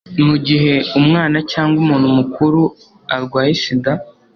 mu gihe umwana cyangwa umuntu mukuru ar waye sida